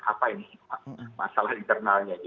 apa ini masalah internalnya